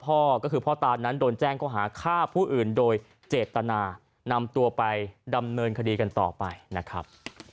พ่อก็คือพ่อตานั้นโดนแจ้งเขาหาฆ่าผู้อื่นโดยเจตนานำตัวไปดำเนินคดีกันต่อไปนะครับ